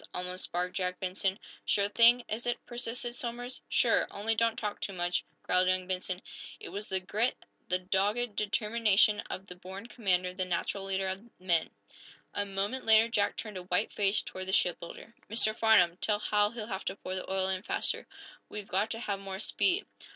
almost barked Jack Benson. "Sure thing, is it?" persisted Somers. "Sure only don't talk too much," growled young Benson. It was the grit, the dogged determination of the born commander the natural leader of men. A moment later Jack turned a white face toward the shipbuilder. "Mr. Farnum, tell Hal he'll have to pour the oil in faster. We've got to have more speed."